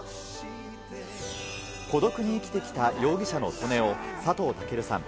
孤独に生きてきた容疑者の利根を佐藤健さん。